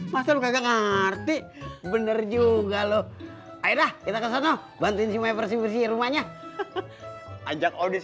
masa lu nggak ngerti bener juga lu ayo dah kita kesana bantuin si mepersibisi rumahnya ajak audis